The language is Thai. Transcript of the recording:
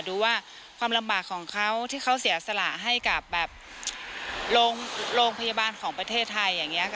ดูว่าความลำบากของเขาที่เขาเสียสละให้กับแบบโรงพยาบาลของประเทศไทยอย่างนี้ค่ะ